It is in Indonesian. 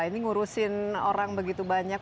ini ngurusin orang begitu banyak